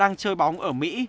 đang chơi bóng ở mỹ